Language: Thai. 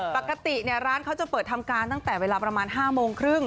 ปกติร้านเขาจะเปิดทำการตั้งแต่เวลาประมาณ๕โมงครึ่ง